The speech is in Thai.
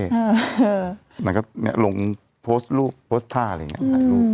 เราก็มาลงโพสต์รูปอะไรงี้อืม